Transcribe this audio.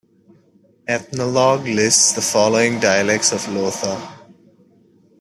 "Ethnologue" lists the following dialects of Lotha.